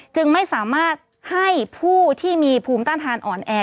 จึงไม่สามารถให้ผู้ที่มีภูมิต้านทานอ่อนแอ